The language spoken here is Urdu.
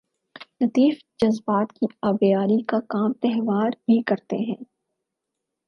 لطیف جذبات کی آبیاری کا کام تہوار بھی کرتے ہیں۔